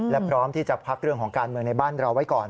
และพร้อมที่จะพักเรื่องของการเมืองในบ้านเราไว้ก่อน